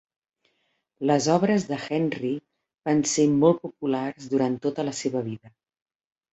Les obres de Henry van ser molt populars durant tota la seva vida.